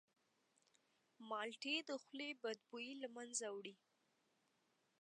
مالټې د خولې بدبویي له منځه وړي.